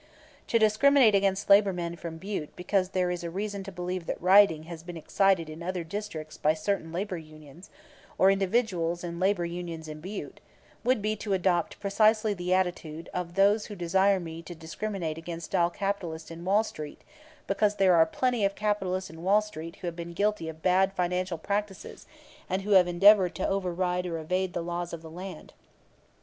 To discriminate against labor men from Butte because there is reason to believe that rioting has been excited in other districts by certain labor unions, or individuals in labor unions in Butte, would be to adopt precisely the attitude of those who desire me to discriminate against all capitalists in Wall street because there are plenty of capitalists in Wall Street who have been guilty of bad financial practices and who have endeavored to override or evade the laws of the land.